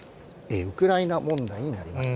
ウクライナ問題になります。